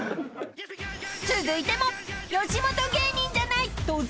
［続いても吉本芸人じゃない］